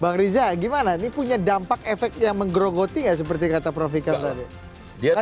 bang riza gimana ini punya dampak efek yang menggerogoti nggak seperti kata prof ikam tadi